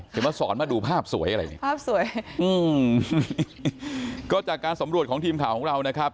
มาสอนมาดูภาพสวยอะไรเนี่ยภาพสวยอืมก็จากการสำรวจของทีมข่าวของเรานะครับ